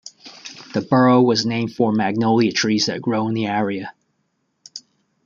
The borough was named for magnolia trees that grow in the area.